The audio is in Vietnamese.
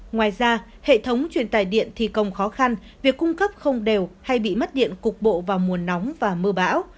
ngoài ra hệ thống truyền tài điện thì công khó khăn việc cung cấp không đều hay bị mất điện cục bộ vào mùa nóng và mưa bão